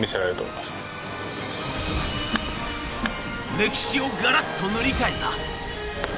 歴史をガラッと塗り替えた。